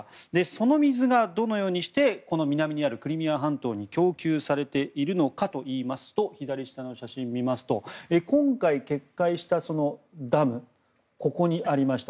その水がどのようにして南にあるクリミア半島に供給されているのかというと今回、決壊したダムここにありました。